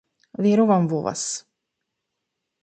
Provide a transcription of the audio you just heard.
Верувам во вас.